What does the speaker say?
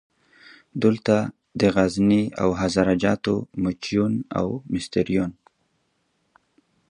دلته د غزني او هزاره جاتو موچیان او مستریان.